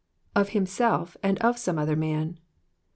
*' of himself, and of some other man."